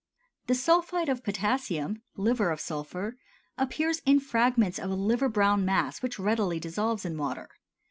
The sulphide of potassium (liver of sulphur) appears in fragments of a liver brown mass which readily dissolves in water.